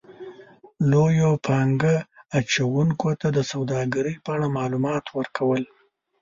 -لویو پانګه اچونکو ته د سوداګرۍ په اړه مالومات ورکو ل